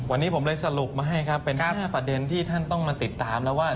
วันนี้ผมเลยสรุปมาให้ครับเป็น๕ประเด็นที่ท่านต้องมาติดตามแล้วว่า